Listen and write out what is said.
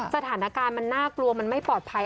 สถานการณ์มันน่ากลัวมันไม่ปลอดภัย